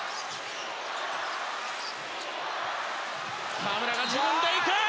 河村が自分で行く！